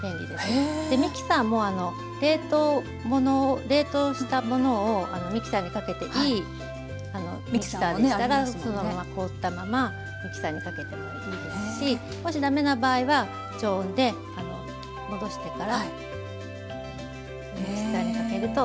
ミキサーも冷凍したものをミキサーにかけていいミキサーでしたらそのまま凍ったままミキサーにかけてもいいですしもし駄目な場合は常温で戻してからミキサーにかけると。